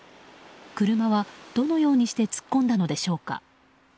車はどのようにして突っ込んだのでしょうか。